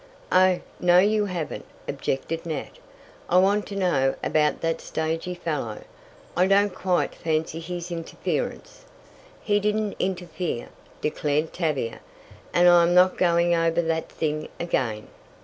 "Oh, no you haven't," objected Nat. "I want to know about that stagey fellow. I don't quite fancy his interference." "He didn't interfere," declared Tavia, "and I am not going over that thing again."